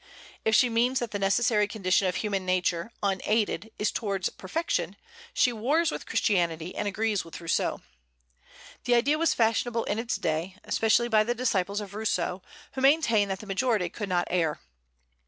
If she means that the necessary condition of human nature, unaided, is towards perfection, she wars with Christianity, and agrees with Rousseau. The idea was fashionable in its day, especially by the disciples of Rousseau, who maintained that the majority could not err.